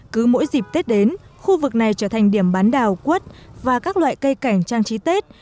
cứ mỗi dịp tết đến khu vực này trở thành điểm bán đào quất và các loại cây cảnh trang trí tết